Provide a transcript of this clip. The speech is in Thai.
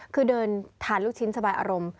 คือเดินทานลูกชิ้นสบายอารมณ์